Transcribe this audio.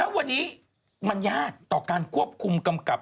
วันนี้มันยากต่อการควบคุมกำกับ